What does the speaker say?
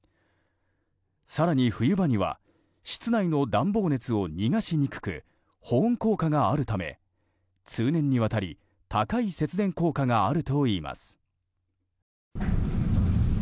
更に冬場には室内の暖房熱を逃がしにくく保温効果があるため通年にわたり高い節電効果があるといいます。